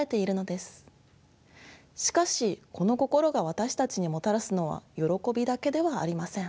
しかしこの「心」が私たちにもたらすのは「よろこび」だけではありません。